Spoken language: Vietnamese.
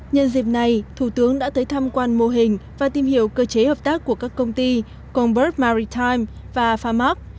nhân dịp này thủ tướng đã tới tham quan mô hình và tìm hiểu cơ chế hợp tác của các công ty convert maritime và pharmax